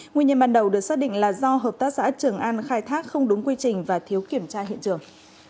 nguyên nhân ban đầu được xác định là do hợp tác xã trường an khai thác không đúng quy trình và thiếu kiểm tra hiện trường